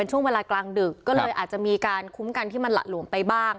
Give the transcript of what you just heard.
เป็นช่วงเวลากลางดึกอาจจะมีคุ้มกันที่หลัดหลวมไปบ้าง